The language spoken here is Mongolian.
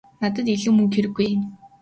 Надад илүү мөнгө хэрэггүй ээ.